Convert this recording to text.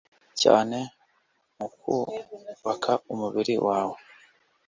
cyane mu kubaka umubiri wawe